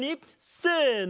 せの！